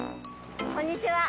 こんにちは。